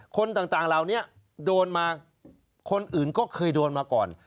คนต่างเหล่านี้โดนมาคนอื่นก็เคยโดนมาก่อน